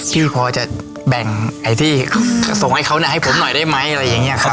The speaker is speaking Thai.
พี่พอจะแบ่งไอ้ที่ส่งให้เขาให้ผมหน่อยได้ไหมอะไรอย่างนี้ครับ